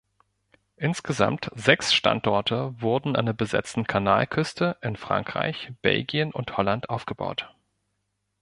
Insgesamt sechs Standorte wurden an der besetzten Kanalküste in Frankreich, Belgien und Holland aufgebaut.